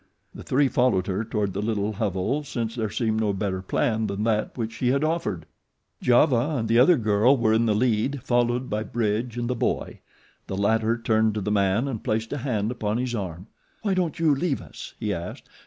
The three followed her toward the little hovel since there seemed no better plan than that which she had offered. Giova and the other girl were in the lead, followed by Bridge and the boy. The latter turned to the man and placed a hand upon his arm. "Why don't you leave us," he asked.